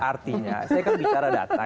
artinya saya kan bicara data